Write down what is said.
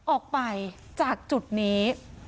ออกไปจากจุดนี้